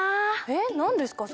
えっ何ですか？